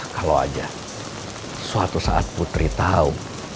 kalau aja suatu saat putri tahu